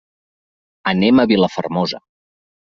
Anem a Vilafermosa.